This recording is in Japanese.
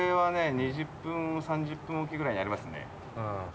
２０分３０分おきくらいにありますね。